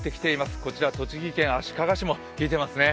こちら栃木県足利市も冷えてますね。